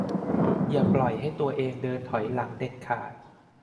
อย่าปล่อยให้ตัวเองเดินถอยหลังเด็ดขาด